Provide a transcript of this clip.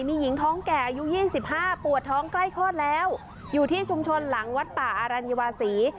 มีหญิงท้องแก่อายุ๒๕ปวดท้องใกล้คลอดแล้วอยู่ที่ชุมชนหลังวัดป่าอรัญวาศี